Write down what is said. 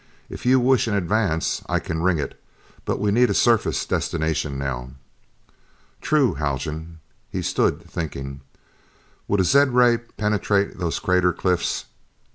"If you wish an advance, I can ring it. But we need a surface destination now." "True, Haljan." He stood thinking. "Would a zed ray penetrate those crater cliffs?